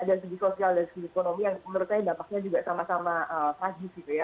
dari segi sosial dan segi ekonomi yang menurut saya dampaknya juga sama sama pragis gitu ya